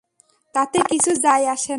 তাতে কিছু যায় আসে না।